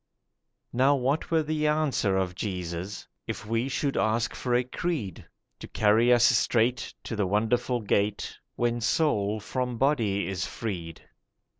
Now what were the answer of Jesus If we should ask for a creed, To carry us straight to the wonderful gate When soul from body is freed?